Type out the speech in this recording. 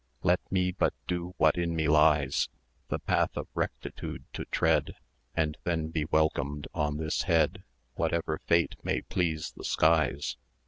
Let me but do what in me lies The path of rectitude to tread; And then be welcomed on this head Whatever fate may please the skies.